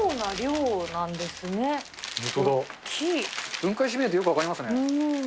分解してみるとよく分かりま